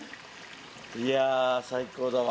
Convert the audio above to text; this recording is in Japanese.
いやぁ最高だわ。